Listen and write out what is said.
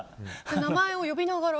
名前を呼びながら？